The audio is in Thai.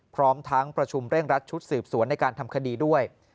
พร้อมทั้งประชุมเร่งรัดชุดสืบสวนในการทำคดีด้วย